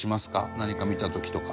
何か見た時とか。